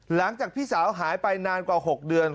หลังจากพี่สาวหายไปนานกว่า๖เดือน